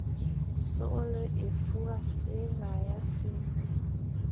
Soghle é fura é vagha simé,